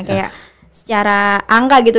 kayak secara angka gitu